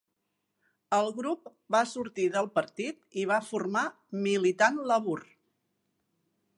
El grup va sortir del partit i va formar Militant Labour.